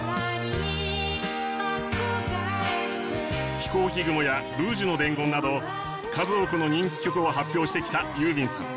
『ひこうき雲』や『ルージュの伝言』など数多くの人気曲を発表してきたユーミンさん。